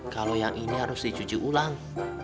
kalau yang ini harus dicuci ulang